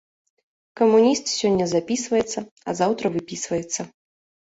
Камуніст сёння запісваецца, а заўтра выпісваецца.